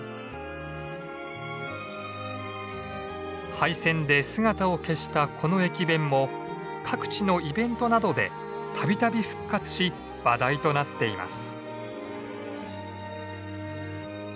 廃線で姿を消したこの駅弁も各地のイベントなどでたびたび復活し話題となっています。